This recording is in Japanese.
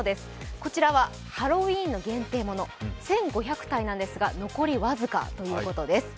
こちらはハロウィーンの限定のもの１５００体なんですが残り僅かということです。